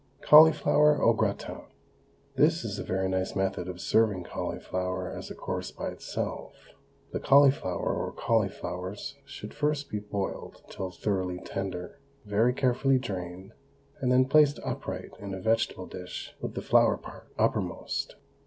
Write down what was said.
CAULIFLOWER AU GRATIN. This is a very nice method of serving cauliflower as a course by itself. The cauliflower or cauliflowers should first be boiled till thoroughly tender, very carefully drained, and then placed upright in a vegetable dish with the flower part uppermost.